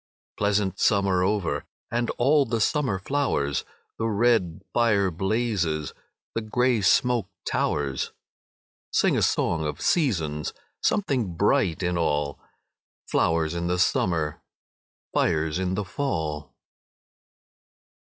Pleasant summer over And all the summer flowers, The red fire blazes, The grey smoke towers. Sing a song of seasons! Something bright in all! Flowers in the summer, Fires in the fall!